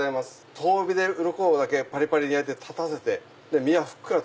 遠火でうろこだけ焼いて立たせて身はふっくらと。